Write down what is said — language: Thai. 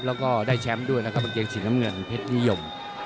แล้วก็ได้แชมป์ด้วยนะครับกางเกงสีน้ำเงินเพชรนิยม